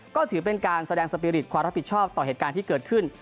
ก็ถือเป็นการแสดงสปีริตความรับผิดชอบต่อเหตุการณ์ที่เกิดขึ้น